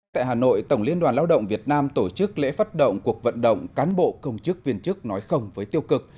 tại hà nội tổng liên đoàn lao động việt nam tổ chức lễ phát động cuộc vận động cán bộ công chức viên chức nói không với tiêu cực